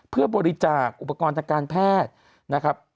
เพื่อบริจาคอุปกรณ์ทางการแพทย์นะครับ